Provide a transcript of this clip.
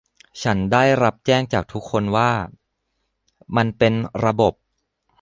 ฉันได้รับแจ้งจากทุกคนว่า มันเป็นระบบ